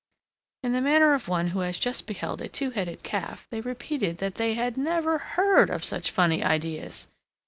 In the manner of one who has just beheld a two headed calf they repeated that they had "never HEARD such funny ideas!"